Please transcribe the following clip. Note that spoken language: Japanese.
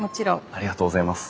ありがとうございます。